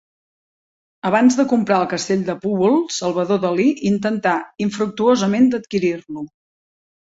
Abans de comprar el castell de Púbol, Salvador Dalí intentà infructuosament d'adquirir-lo.